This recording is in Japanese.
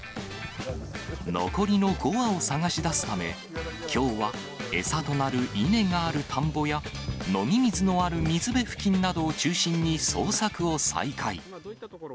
残りの５羽を捜す出すため、きょうは餌となる稲がある田んぼや、飲み水のある水辺付近などを中心に捜索を再開。